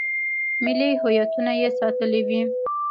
ملي هویتونه یې ساتلي وي.